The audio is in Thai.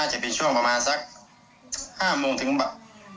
น่าจะเป็นช่วงประมาณสัก๕โมงถึงแบบ